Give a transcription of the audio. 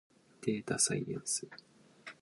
家族のアルバム